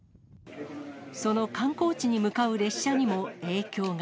その観光地に向かう列車にも影響が。